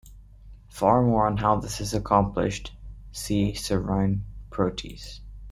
For more on how this is accomplished, see serine protease.